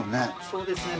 そうですね。